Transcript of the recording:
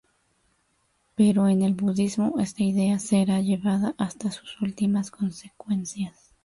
Pero en el budismo esta idea será llevada hasta sus últimas consecuencias.